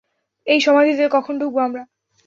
এই সমাধিতে কখন ঢুকব আমরা?